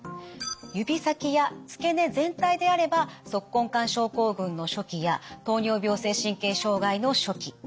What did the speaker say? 指先や付け根全体であれば足根管症候群の初期や糖尿病性神経障害の初期。